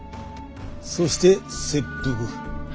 そして切腹。